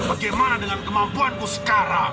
bagaimana dengan kemampuanku sekarang